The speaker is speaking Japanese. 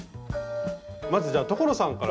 まずじゃあ所さんから。